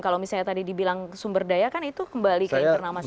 kalau misalnya tadi dibilang sumber daya kan itu kembali ke internal masing masing